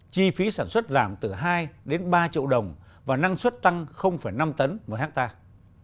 chi phí sản xuất giảm từ hai đến ba triệu đồng và năng suất tăng năm tấn một hectare